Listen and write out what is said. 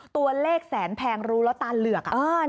ตัวเลขแสนแพงรู้แล้วตาเหลือก